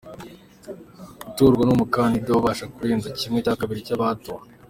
Utorwa ni umukandida ubasha kurenza kimwe cya kabiri cy’abatoye.